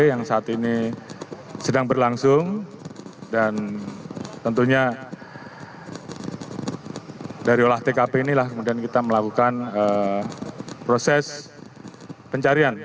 yang saat ini sedang berlangsung dan tentunya dari olah tkp inilah kemudian kita melakukan proses pencarian